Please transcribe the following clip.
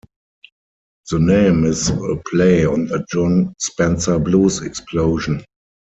The name is a play on the Jon Spencer Blues Explosion.